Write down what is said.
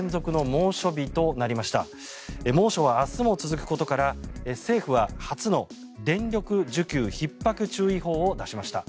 猛暑は明日も続くことから政府は初の電力需給ひっ迫注意報を出しました。